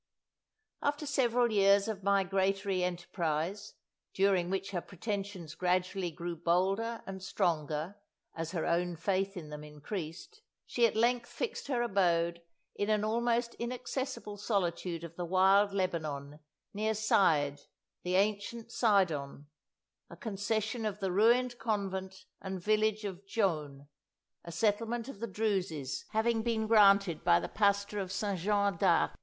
After several years of migratory enterprise, during which her pretensions gradually grew bolder and stronger as her own faith in them increased, she at length fixed her abode in an almost inaccessible solitude of the wild Lebanon, near Saïd the ancient Sidon a concession of the ruined convent and village of Djoun, a settlement of the Druses, having been granted by the Pastor of St. Jean d'Acre.